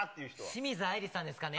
清水あいりさんですかね。